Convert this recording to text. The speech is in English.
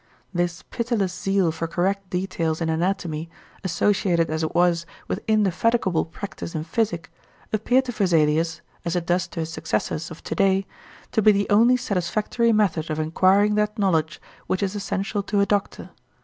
This pitiless zeal for correct details in anatomy, associated as it was with indefatigable practice in physic, appeared to Vesalius, as it does to his successors of to day, to be the only satisfactory method of acquiring that knowledge which is essential to a doctor.